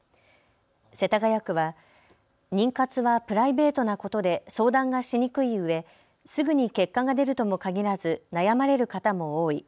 世田谷区は妊活はプライベートなことで相談がしにくいうえ、すぐに結果が出るともかぎらず悩まれる方も多い。